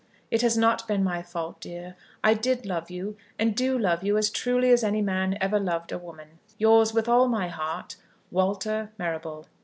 It has not been my fault, dear. I did love you, and do love you as truly as any man ever loved a woman. Yours with all my heart, WALTER MARRABLE.